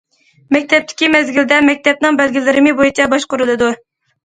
مەكتەپتىكى مەزگىلىدە مەكتەپنىڭ بەلگىلىمىلىرى بويىچە باشقۇرۇلىدۇ.